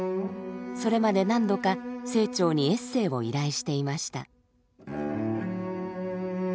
それまで何度か清張にエッセーを依頼していました。